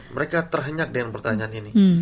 mereka terhenyak dengan pertanyaan ini